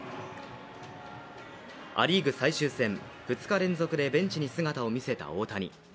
ア・リーグ最終戦、２日連続でベンチに姿を見せた大谷。